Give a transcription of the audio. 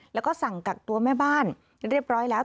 แล้วก็สั่งกักตัวแม่บ้านเรียบร้อยแล้ว